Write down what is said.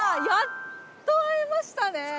やっと会えましたね！